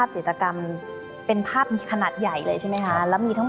จิตรกรรมที่อยู่ที่ที่สุดหลังจากฝ่าผนการงานจิตรกรรม